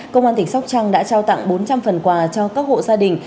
công an tỉnh sóc trăng đã trao tặng bốn trăm linh phần quà cho các hộ gia đình